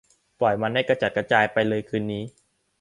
ปล่อยมันให้กระจัดกระจายไปเลยคืนนี้